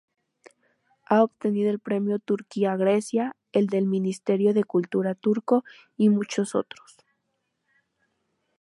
Ha obtenido el premio Turquía-Grecia, el del Ministerio de Cultura turco y muchos otros.